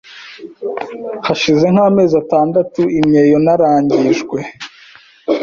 Hashize nk’ amezi atandatu imyeyo naragwije,